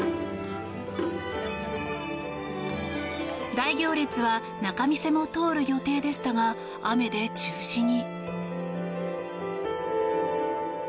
大行列は仲見世も通る予定でしたが、雨で中止に。